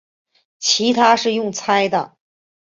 其实是用猜的